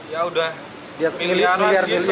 ya udah miliaran gitu